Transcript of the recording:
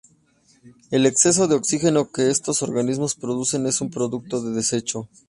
El exceso de oxígeno que estos organismos producen es un producto de desecho.